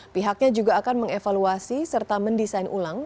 pihaknya juga akan mengevaluasi serta mendesain ulang